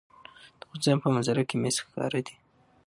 د افغانستان په منظره کې مس ښکاره ده.